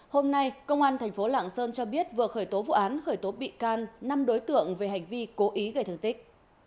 hôm nay công an tp lạng sơn cho biết vừa khởi tố vụ án khởi tố bị can năm đối tượng về hành vi cố ý gây thương tích